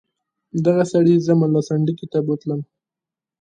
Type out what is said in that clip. دغه سړي زه ملا سنډکي ته بوتلم.